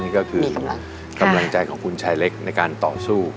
นี่ก็คือกำลังใจของคุณชายเล็กในการต่อสู้